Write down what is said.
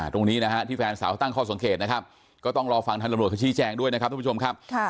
ตรงนี้นะฮะที่แฟนสาวตั้งข้อสังเกตนะครับก็ต้องรอฟังทางตำรวจเขาชี้แจงด้วยนะครับทุกผู้ชมครับ